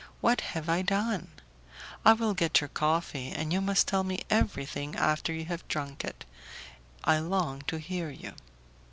What have I done? I will get your coffee, and you must tell me everything after you have drunk it; I long to hear you."